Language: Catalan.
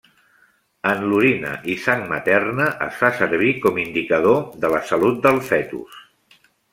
En l'orina i sang materna es fa servir com indicador de la salut del fetus.